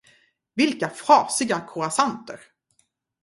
Vilka frasiga croissanter!